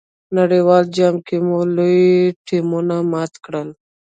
نړیوال جام کې مو لوی ټیمونه مات کړل.